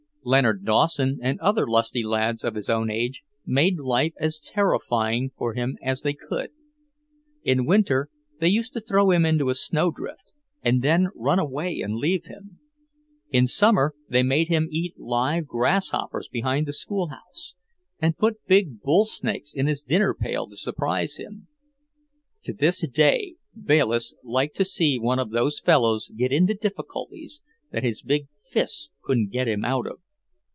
Leonard Dawson and other lusty lads of his own age made life as terrifying for him as they could. In winter they used to throw him into a snow drift, and then run away and leave him. In summer they made him eat live grasshoppers behind the schoolhouse, and put big bull snakes in his dinner pail to surprise him. To this day, Bayliss liked to see one of those fellows get into difficulties that his big fists couldn't get him out of.